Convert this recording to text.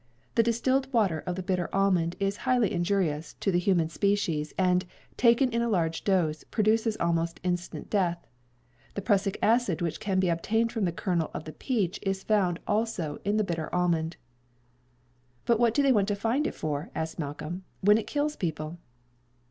The distilled water of the bitter almond is highly injurious to the human species, and, taken in a large dose, produces almost instant death.' The prussic acid which can be obtained from the kernel of the peach is found also in the bitter almond." [Illustration: THE ALMOND. BRANCH AND FRUIT.] "But what do they want to find it for," asked Malcolm, "when it kills people?"